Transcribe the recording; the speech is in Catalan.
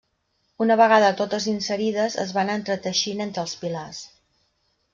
Una vegada totes inserides es van entreteixint entre els pilars.